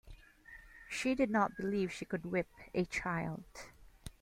She did not believe she could whip a child.